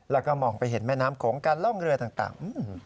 แล้วก็มองไปเห็นแม่น้ำโขงการล่องเรือต่าง